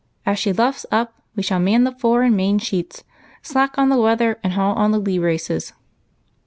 As she luffs up we shall man the fore and main sheets, slack on the weather, and haul on the lee braces."